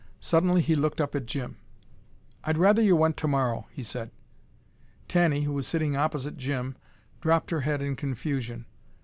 Suddenly he looked up at Jim. "I'd rather you went tomorrow," he said. Tanny, who was sitting opposite Jim, dropped her head in confusion.